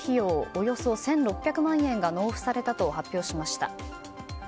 およそ１６００万円が納付されたと発表しました。